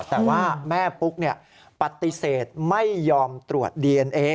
แต่ว่าแม่ปุ๊กปฏิเสธไม่ยอมตรวจดีเอนเอ